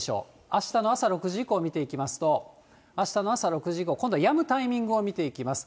あしたの朝６時以降を見ていきますと、あしたの朝６時以降、今度はやむタイミングを見ていきます。